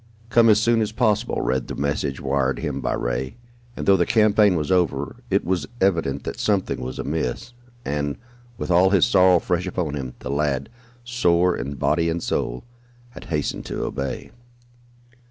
"Come as soon as possible," read the message wired him by Ray, and, though the campaign was over, it was evident that something was amiss, and, with all his sorrow fresh upon him, the lad, sore in body and soul, had hastened to obey.